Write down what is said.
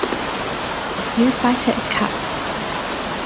You fight it cut.